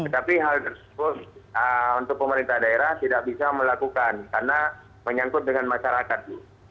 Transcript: tapi hal tersebut untuk pemerintah daerah tidak bisa melakukan karena menyangkut dengan masyarakat